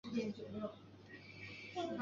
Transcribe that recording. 咸平三年知枢密院事。